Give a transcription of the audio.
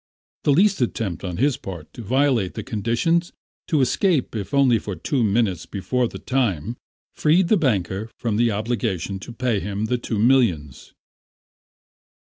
The least attempt on his part to violate the conditions, to escape if only for two minutes before the time freed the banker from the obligation to pay him the two millions.